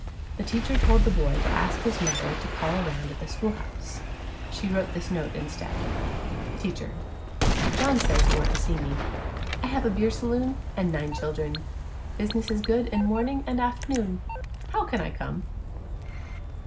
The teacher told the boy to ask his mother to call around at the schoolhouse. She wrote this note instead: Teacher: John says you want to see me. I have a bier saloon and nine children. Bizness is good in morning an' aft'noon. How can I come?